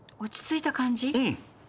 うん。